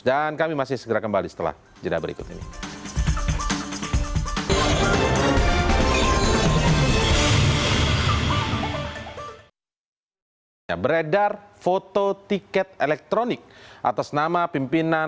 dan kami masih segera kembali setelah jeda berikut ini